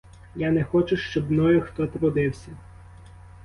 Я не хочу, щоб мною хто трудився.